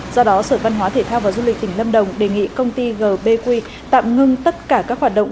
do đó sở văn hóa thể thao và du lịch tỉnh lâm đồng đề nghị công ty gbq tạm ngưng tất cả các hoạt động